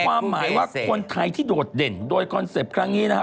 ความหมายว่าคนไทยที่โดดเด่นโดยคอนเซ็ปต์ครั้งนี้นะครับ